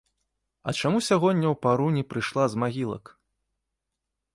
А чаму сягоння ў пару не прыйшла з магілак?